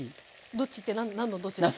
どっちって何のどっちですか？